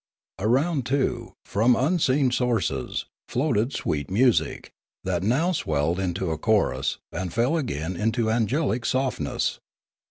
Around, too, from unseen sources, floated sweet music, that now swelled into a chorus, and again fell into angelic softness.